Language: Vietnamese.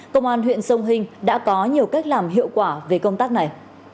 công an huyện sông hình đã có nhiều cách làm hiệu quả về công tác này